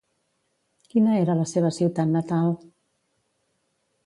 Quina era la seva ciutat natal?